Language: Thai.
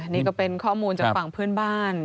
นี่ก็เป็นข้อมูลจากฝั่งเพื่อนบ้าน